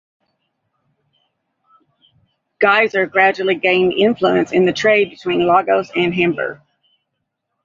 Gaiser gradually gained influence in the trade between Lagos and Hamburg.